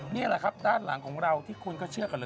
นี่แหละครับด้านหลังของเราที่คุณก็เชื่อกันเลย